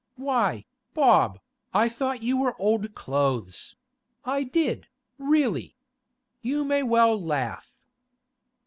Why, Bob, I thought you were old clothes; I did, really! You may well laugh!